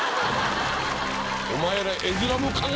お前ら。